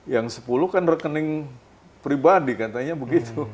yang sepuluh kan rekening pribadi katanya begitu